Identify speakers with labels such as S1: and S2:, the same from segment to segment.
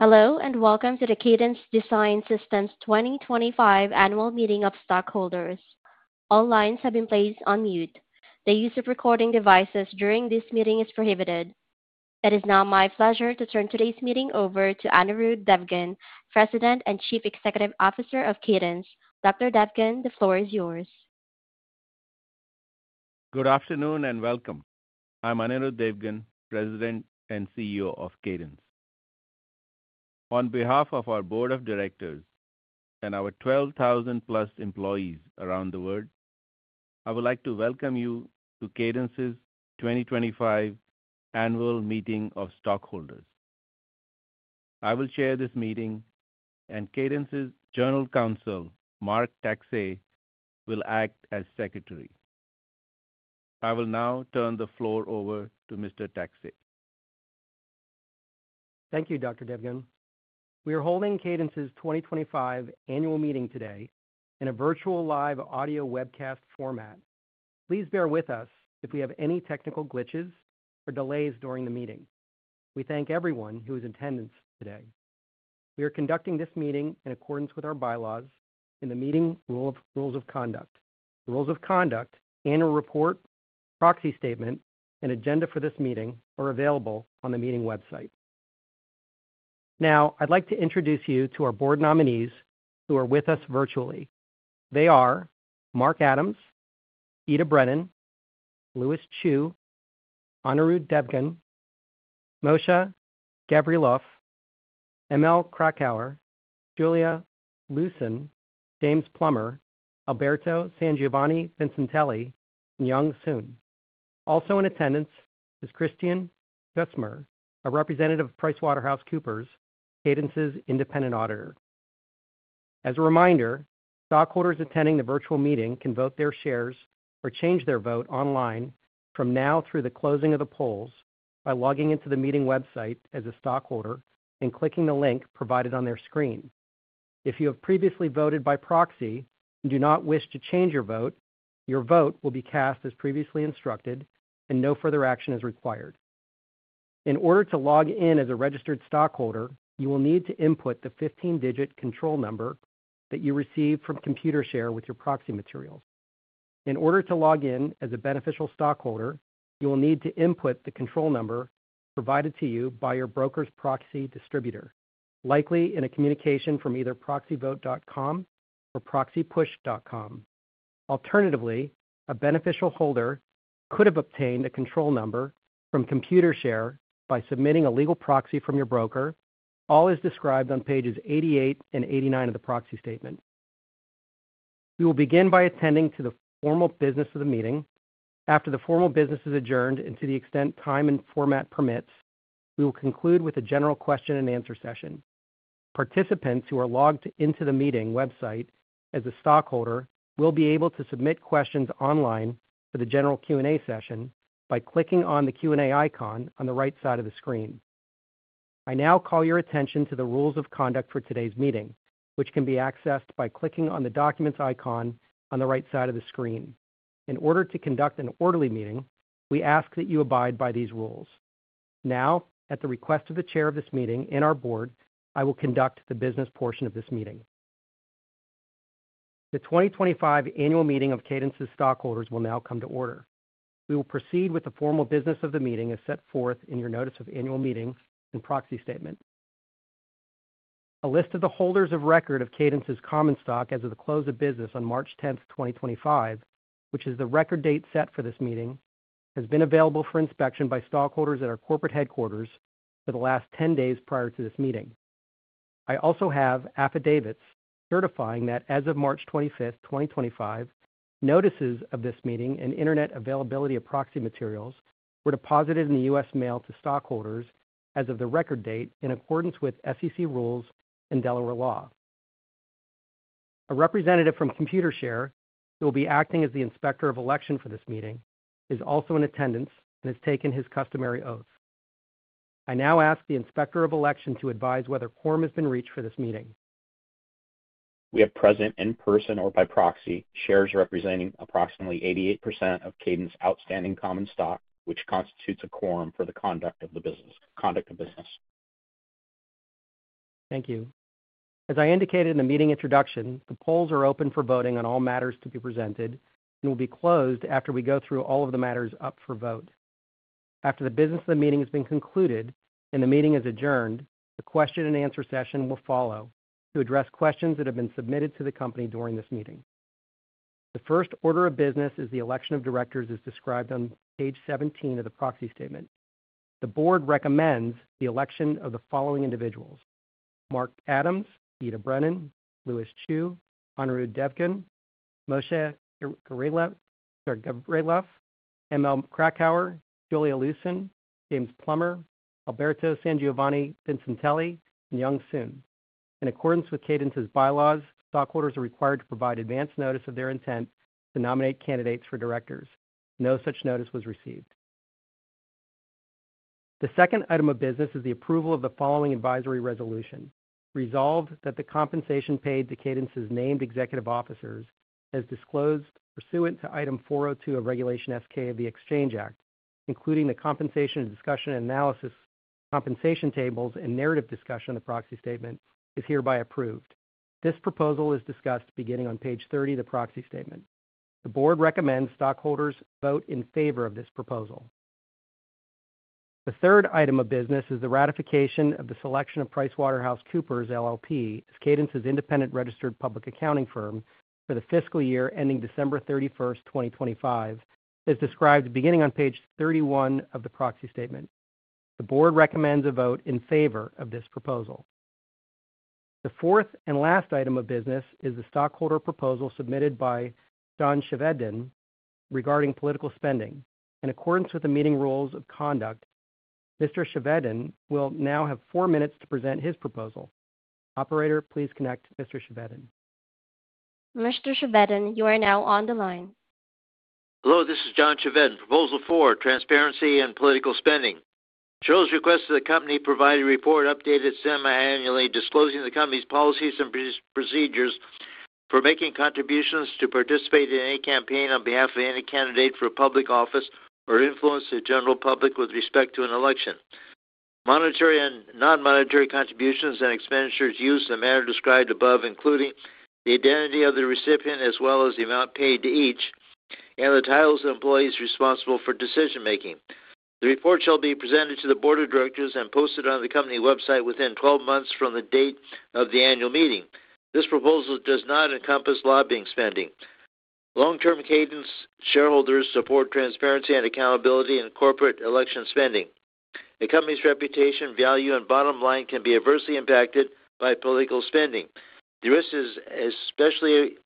S1: Hello, and welcome to the Cadence Design Systems 2025 Annual Meeting of Stockholders. All lines have been placed on mute. The use of recording devices during this meeting is prohibited. It is now my pleasure to turn today's meeting over to Anirudh Devgan, President and CEO of Cadence. Dr. Devgan, the floor is yours.
S2: Good afternoon and welcome. I'm Anirudh Devgan, President and CEO of Cadence. On behalf of our Board of Directors and our 12,000+ employees around the world, I would like to welcome you to Cadence's 2025 Annual Meeting of Stockholders. I will chair this meeting, and Cadence's General Counsel, Mark Taxay, will act as Secretary. I will now turn the floor over to Mr. Taxay.
S3: Thank you, Dr. Devgan. We are holding Cadence's 2025 Annual Meeting today in a virtual live audio webcast format. Please bear with us if we have any technical glitches or delays during the meeting. We thank everyone who is in attendance today. We are conducting this meeting in accordance with our bylaws and the meeting rules of conduct. The rules of conduct, annual report, Proxy Statement, and agenda for this meeting are available on the meeting website. Now, I'd like to introduce you to our board nominees who are with us virtually. They are Mark Adams, Ita Brennan, Lewis Chew, Anirudh Devgan, Moshe Gavrielov, Mary Louise Krakauer, Julia Liuson, James Plummer, Alberto Sangiovanni-Vincentelli, and Young Sohn. Also in attendance is Christian Cuzmar, a representative of PricewaterhouseCoopers, Cadence's independent auditor. As a reminder, stakeholders attending the virtual meeting can vote their shares or change their vote online from now through the closing of the polls by logging into the meeting website as a stakeholder and clicking the link provided on their screen. If you have previously voted by proxy and do not wish to change your vote, your vote will be cast as previously instructed, and no further action is required. In order to log in as a registered stockholder, you will need to input the 15-digit control number that you received from Computershare with your proxy materials. In order to log in as a beneficial stockholder, you will need to input the control number provided to you by your broker's proxy distributor, likely in a communication from either proxyvote.com or ProxyPush.com. Alternatively, a beneficial holder could have obtained a control number from Computershare by submitting a legal proxy from your broker, all as described on Pages 88 and 89 of the Proxy Statement. We will begin by attending to the formal business of the meeting. After the formal business is adjourned and to the extent time and format permits, we will conclude with a general question-and-answer session. Participants who are logged into the meeting website as a stakeholder will be able to submit questions online for the general Q&A session by clicking on the Q&A icon on the right side of the screen. I now call your attention to the rules of conduct for today's meeting, which can be accessed by clicking on the documents icon on the right side of the screen. In order to conduct an orderly meeting, we ask that you abide by these rules. Now, at the request of the Chair of this meeting and our board, I will conduct the business portion of this meeting. The 2025 Annual Meeting of Cadence's stakeholders will now come to order. We will proceed with the formal business of the meeting as set forth in your Notice of Annual Meeting and Proxy Statement. A list of the holders of record of Cadence's common stock as of the close of business on March 10th, 2025, which is the record date set for this meeting, has been available for inspection by stakeholders at our corporate headquarters for the last 10 days prior to this meeting. I also have affidavits certifying that as of March 25th, 2025, notices of this meeting and internet availability of proxy materials were deposited in the U.S. mail to stakeholders as of the record date in accordance with SEC rules and Delaware law. A representative from Computershare, who will be acting as the inspector of election for this meeting, is also in attendance and has taken his customary oath. I now ask the inspector of election to advise whether quorum has been reached for this meeting. We are present in person or by proxy. Shares representing approximately 88% of Cadence's outstanding common stock, which constitutes a quorum for the conduct of the business. Thank you. As I indicated in the meeting introduction, the polls are open for voting on all matters to be presented and will be closed after we go through all of the matters up for vote. After the business of the meeting has been concluded and the meeting is adjourned, the question-and-answer session will follow to address questions that have been submitted to the company during this meeting. The first order of business is the election of directors as described on Page 17 of the Proxy Statement. The board recommends the election of the following individuals: Mark Adams, Ita Brennan, Lewis Chew, Anirudh Devgan, Moshe Gavrielov, Mary Louise Krakauer, Julia Liuson, James Plummer, Alberto Sangiovanni-Vincentelli, and Young Sohn. In accordance with Cadence's bylaws, stakeholders are required to provide advance notice of their intent to nominate candidates for directors. No such notice was received. The second item of business is the approval of the following advisory resolution: resolve that the compensation paid to Cadence's named executive officers, as disclosed pursuant to item 402 of Regulation S-K of the Exchange Act, including the compensation discussion and analysis, compensation tables, and narrative discussion of the Proxy Statement, is hereby approved. This proposal is discussed beginning on Page 30 of the Proxy Statement. The board recommends stakeholders vote in favor of this proposal. The third item of business is the ratification of the selection of PricewaterhouseCoopers LLP as Cadence's independent registered public accounting firm for the fiscal year ending December 31st, 2025, as described beginning on Page 31 of the Proxy Statement. The board recommends a vote in favor of this proposal. The fourth and last item of business is the stockholder proposal submitted by John Chevedden regarding political spending. In accordance with the meeting rules of conduct, Mr. Chevedden will now have four minutes to present his proposal. Operator, please connect Mr. Chevedden.
S1: Mr. Chevedden, you are now on the line. Hello, this is John Chevedden. Proposal four, transparency and political spending. Shareholders request that the company provide a report updated semi-annually, disclosing the company's policies and procedures for making contributions to participate in any campaign on behalf of any candidate for public office or influence the general public with respect to an election. Monetary and non-monetary contributions and expenditures used in the manner described above, including the identity of the recipient as well as the amount paid to each, and the titles of employees responsible for decision-making. The report shall be presented to the board of directors and posted on the company website within 12 months from the date of the annual meeting. This proposal does not encompass lobbying spending. Long-term Cadence shareholders support transparency and accountability in corporate election spending. A company's reputation, value, and bottom line can be adversely impacted by political spending. The risk is especially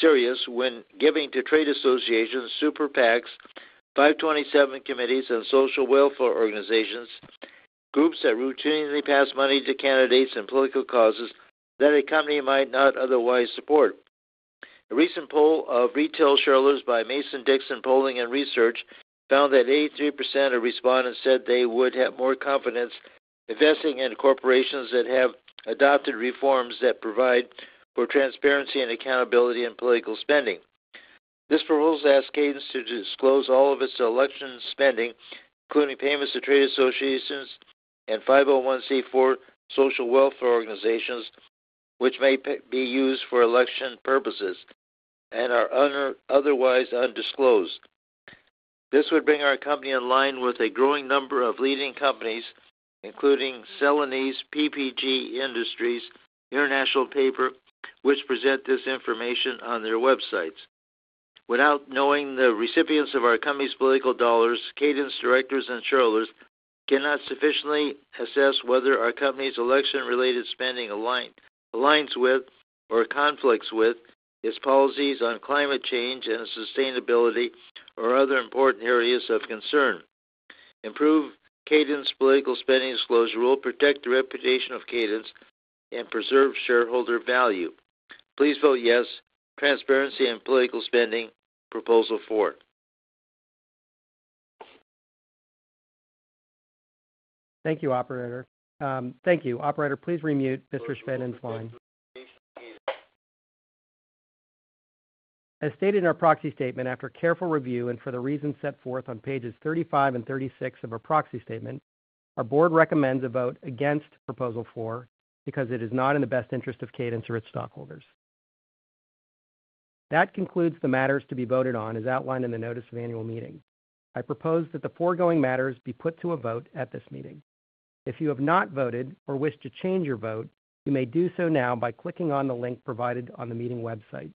S1: serious when giving to trade associations, super PACs, 527 committees, and social welfare organizations, groups that routinely pass money to candidates and political causes that a company might not otherwise support. A recent poll of retail shareholders by Mason-Dixon Polling and Research found that 83% of respondents said they would have more confidence investing in corporations that have adopted reforms that provide for transparency and accountability in political spending. This proposal asks Cadence to disclose all of its election spending, including payments to trade associations and 501(c)(4) social welfare organizations, which may be used for election purposes and are otherwise undisclosed. This would bring our company in line with a growing number of leading companies, including Celanese, PPG Industries, International Paper, which present this information on their websites. Without knowing the recipients of our company's political dollars, Cadence directors and shareholders cannot sufficiently assess whether our company's election-related spending aligns with or conflicts with its policies on climate change and sustainability or other important areas of concern. Improved Cadence political spending disclosure will protect the reputation of Cadence and preserve shareholder value. Please vote yes, transparency and political spending proposal four.
S3: Thank you, Operator. Thank you. Operator, please re-mute Mr. Chevedden's line. As stated in our Proxy Statement, after careful review and for the reasons set forth on Pages 35 and 36 of our Proxy Statement, our board recommends a vote against proposal four because it is not in the best interest of Cadence or its stakeholders. That concludes the matters to be voted on as outlined in the Notice of Annual Meeting. I propose that the foregoing matters be put to a vote at this meeting. If you have not voted or wish to change your vote, you may do so now by clicking on the link provided on the meeting website.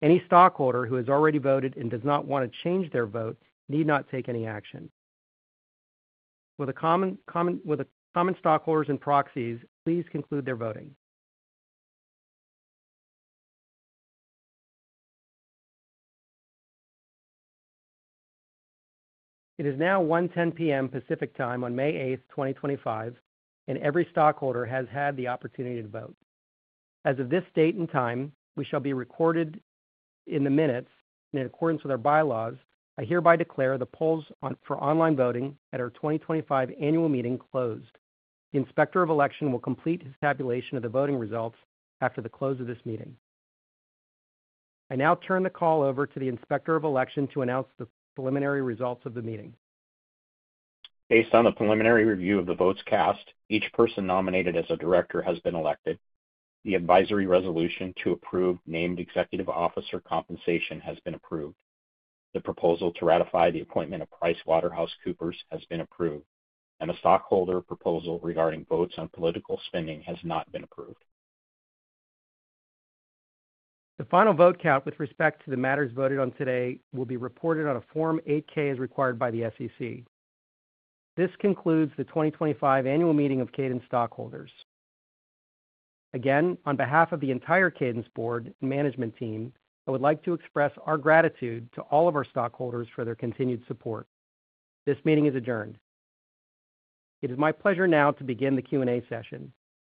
S3: Any stakeholder who has already voted and does not want to change their vote need not take any action. Will the common stockholders and proxies please conclude their voting? It is now 1:10 P.M. Pacific Time on May 8th, 2025, and every stakeholder has had the opportunity to vote. As of this date and time, we shall be recorded in the minutes, and in accordance with our bylaws, I hereby declare the polls for online voting at our 2025 Annual Meeting closed. The inspector of election will complete his tabulation of the voting results after the close of this meeting. I now turn the call over to the inspector of election to announce the preliminary results of the meeting. Based on the preliminary review of the votes cast, each person nominated as a director has been elected. The advisory resolution to approve named executive officer compensation has been approved. The proposal to ratify the appointment of PricewaterhouseCoopers has been approved, and the stakeholder proposal regarding votes on political spending has not been approved. The final vote count with respect to the matters voted on today will be reported on a Form 8-K as required by the SEC. This concludes the 2025 Annual Meeting of Cadence stakeholders. Again, on behalf of the entire Cadence board and management team, I would like to express our gratitude to all of our stakeholders for their continued support. This meeting is adjourned. It is my pleasure now to begin the Q&A session.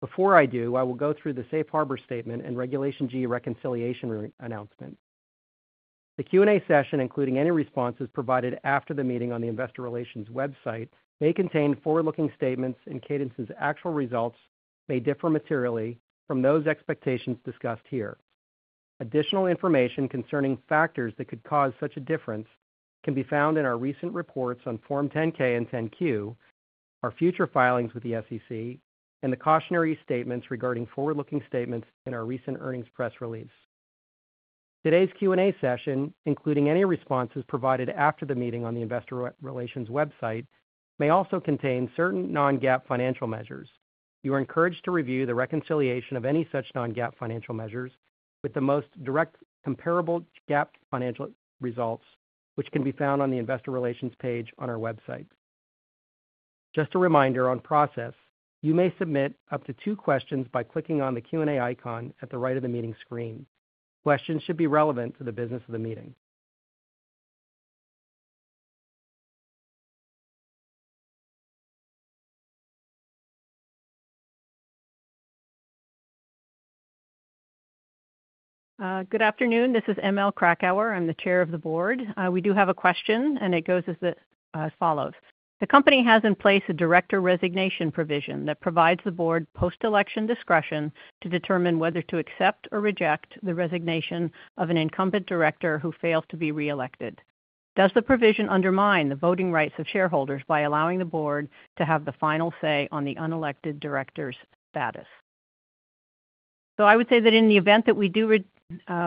S3: Before I do, I will go through the Safe Harbor Statement and Regulation G reconciliation announcement. The Q&A session, including any responses provided after the meeting on the Investor Relations website, may contain forward-looking statements and Cadence's actual results may differ materially from those expectations discussed here. Additional information concerning factors that could cause such a difference can be found in our recent reports on Form 10-K and 10-Q, our future filings with the SEC, and the cautionary statements regarding forward-looking statements in our recent earnings press release. Today's Q&A session, including any responses provided after the meeting on the Investor Relations website, may also contain certain non-GAAP financial measures. You are encouraged to review the reconciliation of any such non-GAAP financial measures with the most direct comparable GAAP financial results, which can be found on the Investor Relations page on our website. Just a reminder on process, you may submit up to two questions by clicking on the Q&A icon at the right of the meeting screen. Questions should be relevant to the business of the meeting.
S4: Good afternoon. This is Mary Louise Krakauer. I'm the Chair of the Board. We do have a question, and it goes as follows. The company has in place a director resignation provision that provides the board post-election discretion to determine whether to accept or reject the resignation of an incumbent director who fails to be re-elected. Does the provision undermine the voting rights of shareholders by allowing the board to have the final say on the unelected director's status? So I would say that in the event that we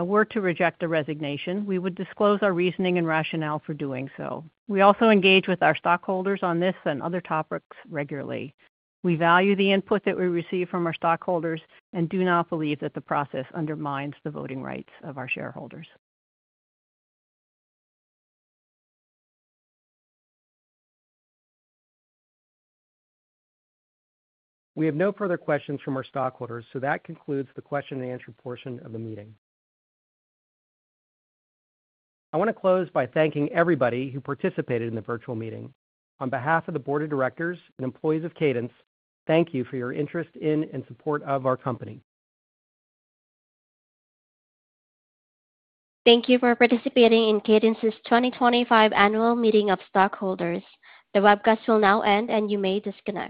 S4: were to reject the resignation, we would disclose our reasoning and rationale for doing so. We also engage with our stakeholders on this and other topics regularly. We value the input that we receive from our stakeholders and do not believe that the process undermines the voting rights of our shareholders.
S3: We have no further questions from our stakeholders, so that concludes the question-and-answer portion of the meeting. I want to close by thanking everybody who participated in the virtual meeting. On behalf of the board of directors and employees of Cadence, thank you for your interest in and support of our company.
S1: Thank you for participating in Cadence's 2025 Annual Meeting of Stakeholders. The webcast will now end, and you may disconnect.